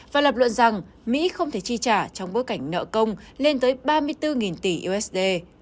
và lập luận rằng mỹ không thể chi trả trong bối cảnh nợ công lên tới ba mươi bốn tỷ usd